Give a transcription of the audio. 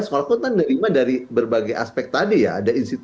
sekolah itu kita nerima dari berbagai aspek tadi